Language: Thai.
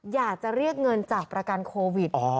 อยากจะเรียกเงินจากประกันโควิด